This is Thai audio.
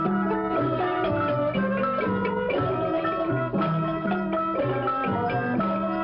มันมันมันมันมันมัน